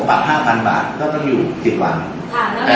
การที่คุยกับชาวหัวพรรค๑๐๐เมตรเขาก็บอกกันว่า